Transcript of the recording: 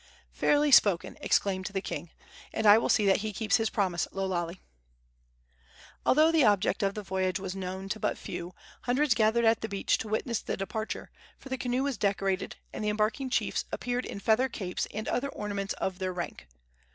"Fairly spoken!" exclaimed the king; "and I will see that he keeps his promise, Lo Lale." Although the object of the voyage was known to but few, hundreds gathered at the beach to witness the departure, for the canoe was decorated, and the embarking chiefs appeared in feather capes and other ornaments of their rank.